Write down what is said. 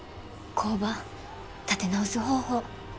工場立て直す方法。